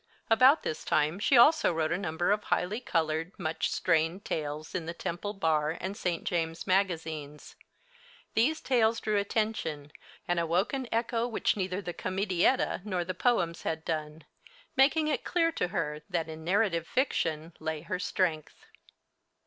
About this time she also wrote a number of highly colored, much strained tales in the Temple Bar and St. James' magazines. These tales drew attention, and awoke an echo which neither the comedietta nor the poems had done, making it clear to her that in narrative fiction lay her strength.